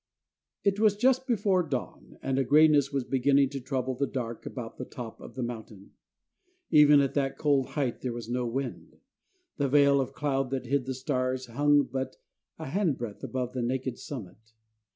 It was just before dawn, and a grayness was beginning to trouble the dark about the top of the mountain. Even at that cold height there was no wind. The veil of cloud that hid the stars hung but a hand breadth above the naked summit.